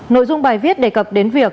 nội dung bài viết đề cập đến việc